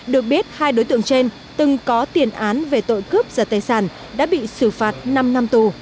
được biết hai đối tượng trên từng có tiền án về tội cướp giật tài sản đã bị xử phạt năm năm tù